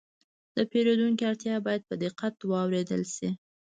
د پیرودونکي اړتیا باید په دقت واورېدل شي.